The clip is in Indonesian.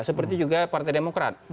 seperti juga partai demokrat